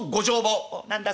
「何だ？